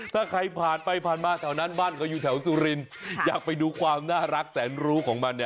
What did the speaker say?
อ๋อที่เราได้ยินเสียงเมื่อสักครู่คือมันร้องเพลง